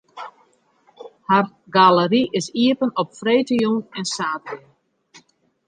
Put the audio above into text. Har galery is iepen op freedtejûn en saterdei.